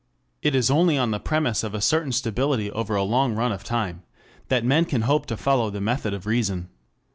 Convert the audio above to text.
It is only on the premise of a certain stability over a long run of time that men can hope to follow the method of reason.